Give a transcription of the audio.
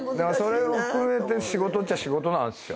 それも含めて仕事っちゃ仕事なんすよ。